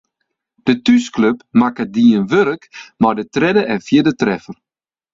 De thúsklup makke dien wurk mei de tredde en fjirde treffer.